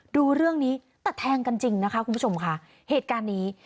ดูเรื่องนี้แต่แทงกันจริงนะคะคุณผู้ชมค่ะเหตุการณ์นี้